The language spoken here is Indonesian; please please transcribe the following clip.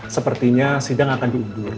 sepertinya sindang akan diundur